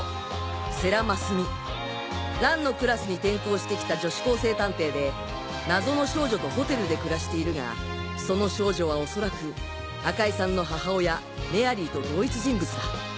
世良真純蘭のクラスに転校して来た女子高生探偵で謎の少女とホテルで暮らしているがその少女は恐らく赤井さんの母親メアリーと同一人物だ